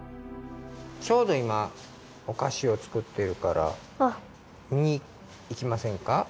ちょうどいまおかしを作っているからみにいきませんか？